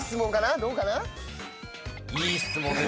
どうかな？